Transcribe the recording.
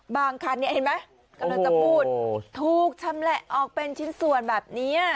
คันนี้เห็นไหมกำลังจะพูดถูกชำแหละออกเป็นชิ้นส่วนแบบนี้